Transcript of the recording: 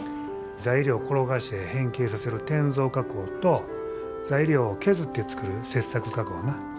材料を転がして変形させる転造加工と材料を削って作る切削加工な。